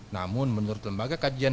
namun menurut lembaga kajian